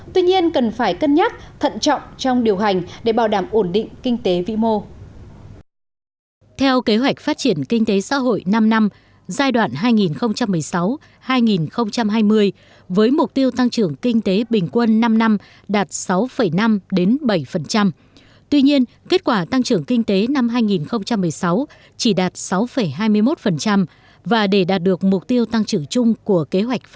tuy nhiên cần phải cân nhắc thận trọng trong điều hành để bảo đảm ổn định kinh tế vĩ mô